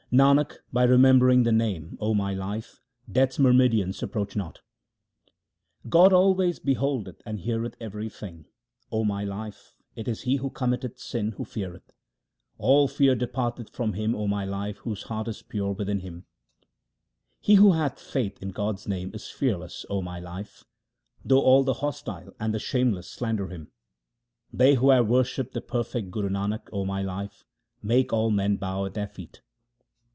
Nanak, by remembering the Name, O my life, Death's myrmidons approach not. 1 Literally — I have burnt in the fire. SIKH. II Y 322 THE SIKH RELIGION God always beholdeth and heareth everything, O my life ; it is he who committeth sin who feareth. All fear departeth from him, O my life, whose heart is pure within him. He who hath faith in God's name is fearless, O my life, though all the hostile and the shameless slander him. They who have worshipped the perfect Guru Nanak, O my life, make all men bow at their feet.